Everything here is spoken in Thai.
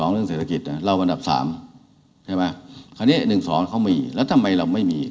เรื่องเศรษฐกิจเราอันดับ๓ใช่ไหมคราวนี้๑๒เขามีแล้วทำไมเราไม่มี